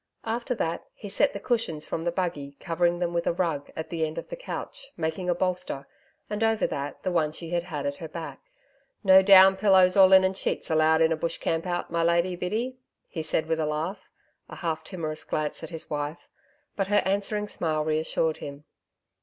After that, he set the cushions from the buggy, covering them with the rug, at the head of the couch, making a bolster, and, over that, the one she had had at her back. 'No down pillows or linen sheets allowed in a bush camp out, my lady Biddy,' he said with a laugh, a half timorous glance at his wife, but her answering smile reassured him.